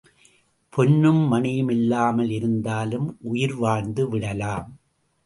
பொன்னும் மணியும் இல்லாமல் இருந்தாலும் உயிர் வாழ்ந்து விடலாம்.